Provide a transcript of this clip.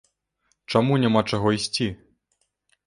Чаму няма чаго ісці?